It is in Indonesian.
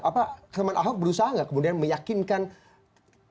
apa teman ahok berusaha nggak kemudian meyakinkan